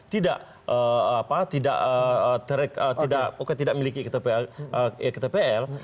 tidak apa tidak terekam tidak oke tidak memiliki ktpl